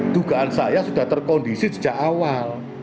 dugaan saya sudah terkondisi sejak awal